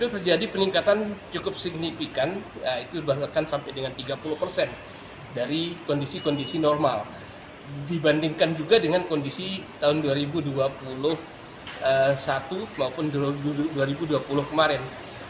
kondisi kondisi normal dibandingkan juga dengan kondisi tahun dua ribu dua puluh satu maupun dua ribu dua puluh kemarin